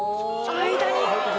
間に。